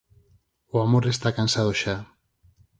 O amor está cansado xa.